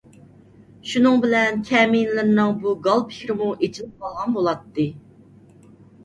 شۇنىڭ بىلەن كەمىنىلىرىنىڭ بۇ گال پىكرىمۇ ئېچىلىپ قالغان بولاتتى.